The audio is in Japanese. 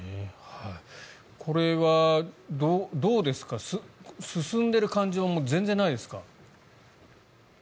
これはどうですか進んでる感じは全然ないですか？